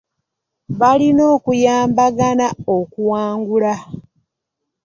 Balina okuyambagana okuwangula.